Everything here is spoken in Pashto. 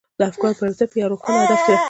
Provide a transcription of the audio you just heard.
د افکارو پياوړتيا په يوه روښانه هدف کې ده.